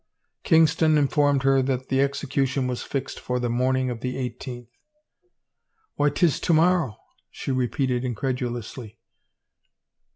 Kingston informed her that the execution was fixed for the morning of the eighteenth. " Why, 'tis to morrow !" she repeated incredulously.